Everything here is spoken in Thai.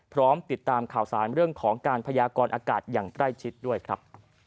พร้อมติดตามข่าวสารเรื่องของการพยากรอากาศอย่างใกล้ชิดด้วยครับ